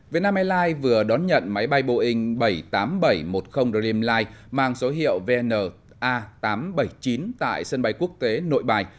việt nam airlines vừa đón nhận máy bay boeing bảy trăm tám mươi bảy một mươi dreamline mang số hiệu vna tám trăm bảy mươi chín tại sân bay quốc tế nội bài